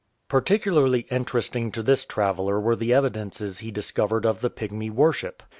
Particularly interesting to this traveller were the evi dences he discovered of the Pygmy worship.